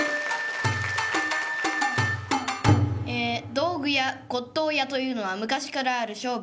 道具屋骨董屋というのは昔からある商売。